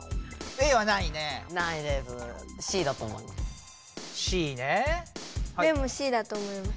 レイもＣだと思います。